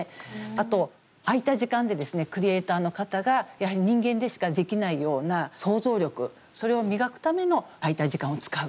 あと空いた時間でクリエーターの方が、やはり人間でしかできないような創造力それを磨くための空いた時間を使う。